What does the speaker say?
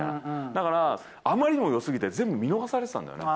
だから、あまりにもよすぎて全部見逃されてたんだよね。